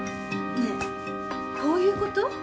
ねえこういう事？